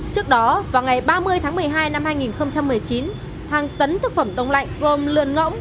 trước đó vào ngày ba mươi tháng một mươi hai năm hai nghìn một mươi chín hàng tấn thực phẩm đông lạnh gồm lườn ngỗng